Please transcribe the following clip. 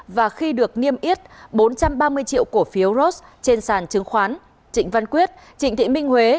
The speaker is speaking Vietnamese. và khi được niêm yết bốn trăm ba mươi triệu cổ phiếu ros trên sàn chứng khoán trịnh văn quyết trịnh thị minh huế